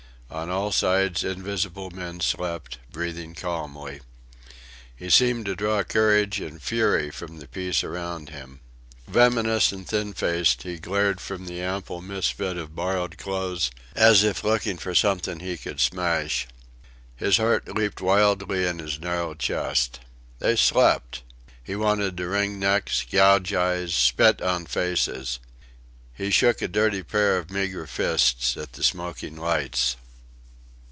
On all sides invisible men slept, breathing calmly. He seemed to draw courage and fury from the peace around him. Venomous and thin faced, he glared from the ample misfit of borrowed clothes as if looking for something he could smash. His heart leaped wildly in his narrow chest. They slept! He wanted to wring necks, gouge eyes, spit on faces. He shook a dirty pair of meagre fists at the smoking lights.